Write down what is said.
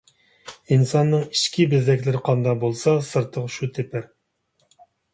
ئىنساننىڭ ئىچكى بېزەكلىرى قانداق بولسا سىرتىغا شۇ تېپەر.